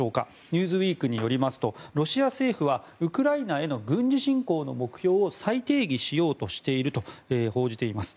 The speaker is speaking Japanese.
「ニューズウィーク」によりますと、ロシア政府はウクライナへの軍事侵攻の目標を再定義しようとしていると報じています。